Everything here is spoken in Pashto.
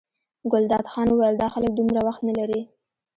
ګلداد خان وویل دا خلک دومره وخت نه لري.